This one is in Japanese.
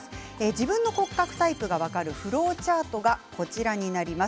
自分の骨格タイプが分かるフローチャートがこちらです。